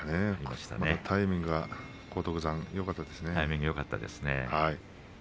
タイミングが荒篤山よかったですね。